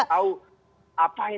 supaya mereka tahu apa ini